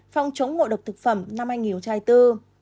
phòng chống ngộ độc thực phẩm năm anh hiểu trai tư